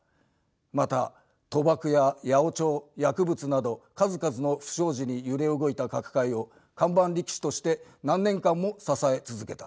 また賭博や八百長薬物など数々の不祥事に揺れ動いた角界を看板力士として何年間も支え続けた。